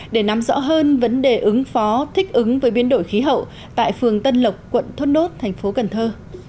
để nắm rõ hơn vấn đề ứng phó thích ứng với biến đổi khí hậu tại phường tân lộc quận thốt nốt thành phố cần thơ